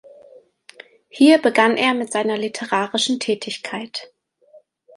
Hier begann er mit seiner literarischen Tätigkeit.